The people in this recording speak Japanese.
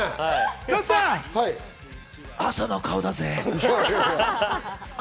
加藤さん、朝の顔だぜ。